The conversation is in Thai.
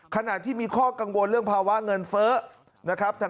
ขณะที่มีข้อกังวลเรื่องภาวะเงินเฟ้อนะครับ